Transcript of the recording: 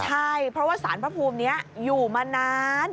ใช่เพราะว่าสารพระภูมินี้อยู่มานาน